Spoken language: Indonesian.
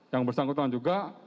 yang bersangkutan juga